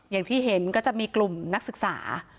อย่างที่เห็นก็จะมีกลุ่มนักศึกษา